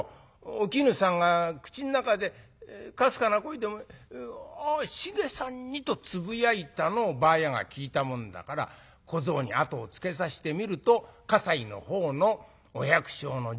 お絹さんが口の中でかすかな声で『あ繁さん似』とつぶやいたのをばあやが聞いたもんだから小僧にあとをつけさしてみると西の方のお百姓の次男坊だ。